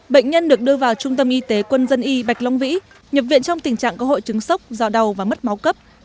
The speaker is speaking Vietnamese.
bệnh nhân được đưa vào trung tâm y tế quân dân y bạch long vĩ nhập viện trong tình trạng có hội chứng sốc do đau và mất máu cấp